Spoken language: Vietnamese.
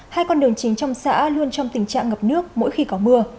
hai con đường chính trong xã luôn trong tình trạng ngập nước mỗi khi có mưa